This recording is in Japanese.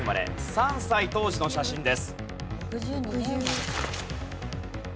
３歳当時の写真です。